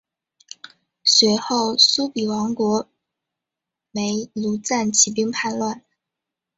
随后苏毗国王没庐赞起兵叛乱。